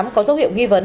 có dấu hiệu nghi vấn